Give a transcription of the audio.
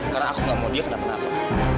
karena aku enggak mau dia kenapa napa